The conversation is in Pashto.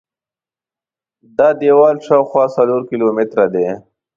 دا دیوال شاوخوا څلور کیلومتره دی.